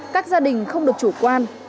các gia đình không được chủ quan